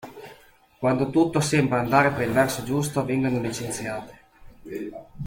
Quando tutto sembra andare per il verso giusto, vengono licenziate.